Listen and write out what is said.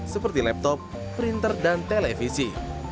seperti laptop printer dan televisi